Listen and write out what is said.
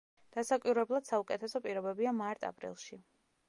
დასაკვირვებლად საუკეთესო პირობებია მარტ-აპრილში.